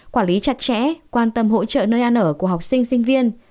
quản lý chặt chẽ quan tâm hỗ trợ nơi ăn ở của học sinh sinh viên